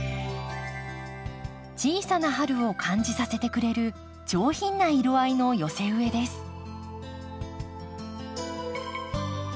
小さな春を感じさせてくれる上品な色合いの寄せ植えです。